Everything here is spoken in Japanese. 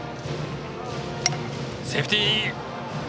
セーフティー！